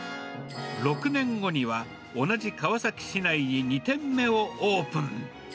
６年後には、同じ川崎市内に２店目をオープン。